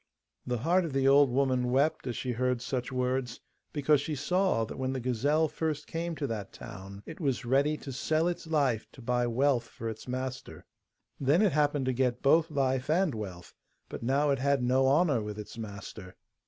The heart of the old woman wept as she heard such words, because she saw that when the gazelle first came to that town it was ready to sell its life to buy wealth for its master. Then it happened to get both life and wealth, but now it had no honour with its master.